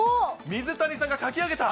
水谷さんが書き上げた。